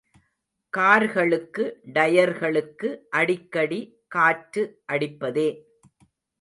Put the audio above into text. கார்களுக்கு டயர்களுக்கு அடிக்கடி காற்று அடிப்பதே.